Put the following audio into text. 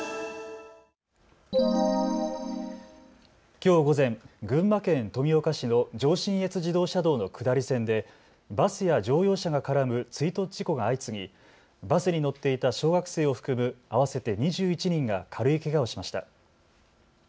きょう午前、群馬県富岡市の上信越自動車道の下り線でバスや乗用車が絡む追突事故が相次ぎ、バスに乗っていた小学生を含む合わせて２１人が軽いけがをしました。